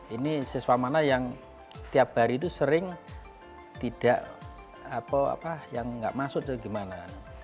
ini siswa mana yang tiap hari itu sering tidak masuk atau gimana